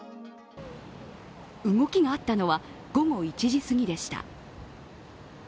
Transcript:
動きがあったのは午後１時すぎでした。